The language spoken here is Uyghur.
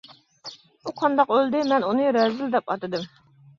ئۇ قانداق ئۆلدى؟ مەن ئۇنى رەزىل دەپ ئاتىدىم.